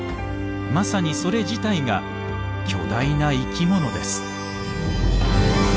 まさにそれ自体が巨大な生き物です。